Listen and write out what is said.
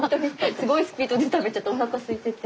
すごいスピードで食べちゃったおなかすいてて。